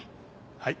はい。